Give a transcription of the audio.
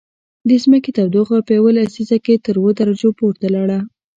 د ځمکې تودوخه په یوه لسیزه کې تر اووه درجو پورته لاړه